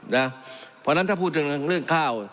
เพราะฉะนั้นถ้าพูดถึงเรื่องข้าว